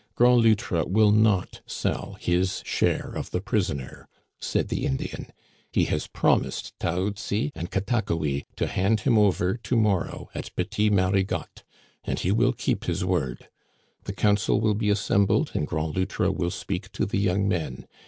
" Grand Loutre will not sell his share of the prison er," said the Indian. " He has promised Taoutsi and Katakoui to hand him over to morrow at Petit Marigotte, and he will keep his word. The council will be assem bled, and Grand Loutre will speak to the young men.